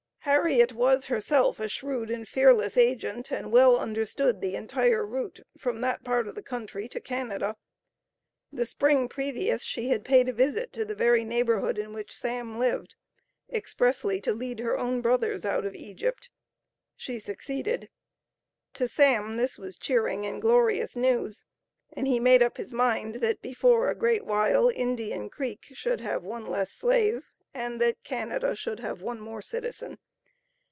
Harriet was herself, a shrewd and fearless agent, and well understood the entire route from that part of the country to Canada. The spring previous, she had paid a visit to the very neighborhood in which "Sam" lived, expressly to lead her own brothers out of "Egypt." She succeeded. To "Sam" this was cheering and glorious news, and he made up his mind, that before a great while, Indian Creek should have one less slave and that Canada should have one more citizen.